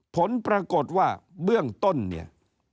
ผลปรากฏว่าเบื้องต้นเนี่ย